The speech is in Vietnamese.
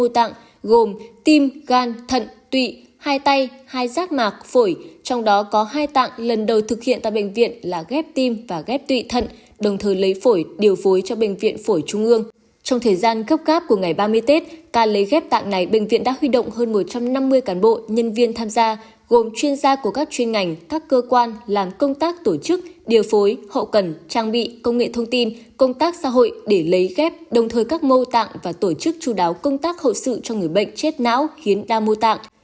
trong các bệnh viện tạng này bệnh viện đã huy động hơn một trăm năm mươi cán bộ nhân viên tham gia gồm chuyên gia của các chuyên ngành các cơ quan làm công tác tổ chức điều phối hậu cần trang bị công nghệ thông tin công tác xã hội để lấy ghép đồng thời các mô tạng và tổ chức chú đáo công tác hậu sự cho người bệnh chết não khiến đa mô tạng